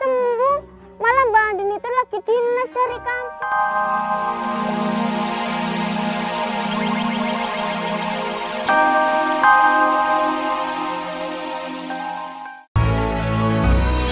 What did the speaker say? malah banding itu lagi dinas dari kampung